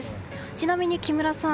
ちなみに木村さん